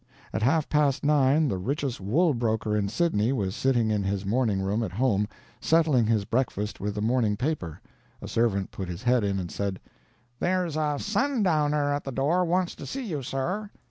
At half past nine the richest wool broker in Sydney was sitting in his morning room at home, settling his breakfast with the morning paper. A servant put his head in and said: "There's a sundowner at the door wants to see you, sir."